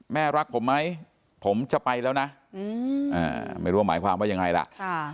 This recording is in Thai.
รักผมไหมผมจะไปแล้วนะไม่รู้ว่าหมายความว่ายังไงล่ะ